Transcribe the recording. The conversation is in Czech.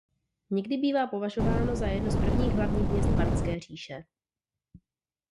Někdy bývá považováno za jedno z prvních hlavních měst Parthské říše.